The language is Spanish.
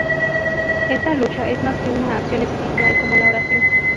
Esta lucha es más que una acción espiritual como la oración.